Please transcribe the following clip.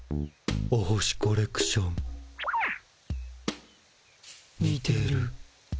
お星コレクション。にてる。